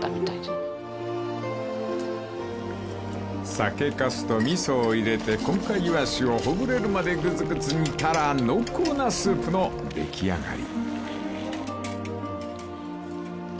［酒かすと味噌を入れてこんかいわしをほぐれるまでぐつぐつ煮たら濃厚なスープの出来上がり］